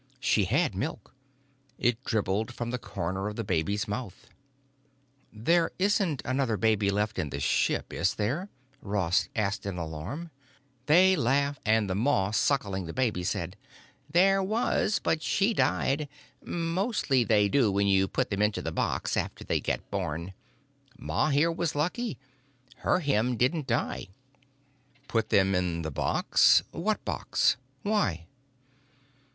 She had milk; it dribbled from the corner of the baby's mouth. "There isn't another baby left in the ship, is there?" Ross asked in alarm. They laughed and the Ma suckling the baby said: "There was, but she died. Mostly they do when you put them into the box after they get born. Ma here was lucky. Her Him didn't die." "Put them in the box? What box? Why?"